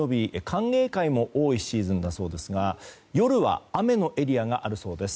歓迎会も多いシーズンだそうですが夜は雨のエリアがあるそうです。